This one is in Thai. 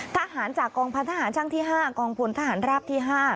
ทหารจากกองพันธหารช่างที่๕กองพลทหารราบที่๕